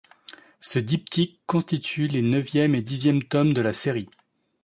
Ce diptyque constitue les neuvième et dixième tomes de la série.